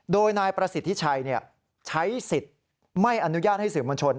โดยนายประสิทธิชัยใช้สิทธิ์ไม่อนุญาตให้สื่อมวลชน